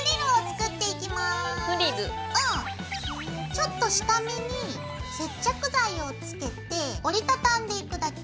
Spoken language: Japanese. ちょっと下めに接着剤をつけて折り畳んでいくだけ。